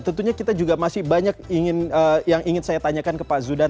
tentunya kita juga masih banyak yang ingin saya tanyakan ke pak zudan